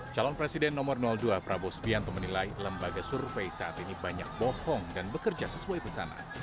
calon presiden nomor dua prabowo sbianto menilai lembaga survei saat ini banyak bohong dan bekerja sesuai pesanan